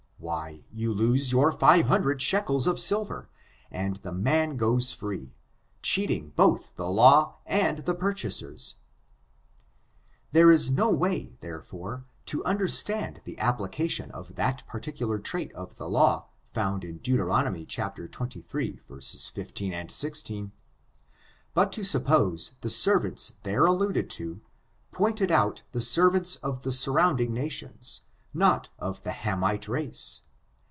Why, you lose your five hundred shekels of silver, and the man goes free, cheating both the law and the pur chasers. There is no way, therefore, to understand the ap* plication of that particular trait of the law found in Deut xxiii, 15, 16, but to suppose the servants there alluded to, pointed out the servants of the surround ing nations, not of the Hamite race.